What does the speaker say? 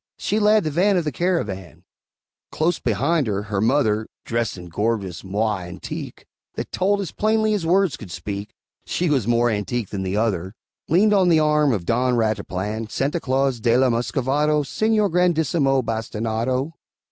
She led the van of the caravan; Close behind her, her mother (Dressed in gorgeous moire antique, That told as plainly as words could speak, She was more antique than the other) Leaned on the arm of Don Rataplan, Santa Claus de la Muscovado, Señor Grandissimo Bastinado.